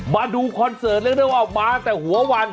มาดูคอนเสิร์ตนะครับมาตั้งแต่หัววัน